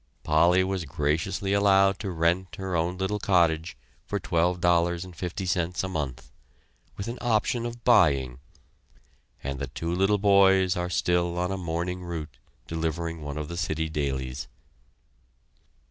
Polly was graciously allowed to rent her own cottage for $12.50 a month, with an option of buying, and the two little boys are still on a morning route delivering one of the city dailies.